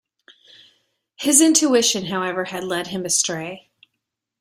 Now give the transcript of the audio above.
His intuition, however, had led him astray.